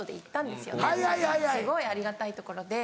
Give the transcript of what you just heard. すごいありがたい所で。